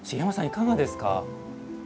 いかがですか？